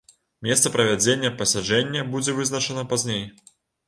Месца правядзення пасяджэння будзе вызначана пазней.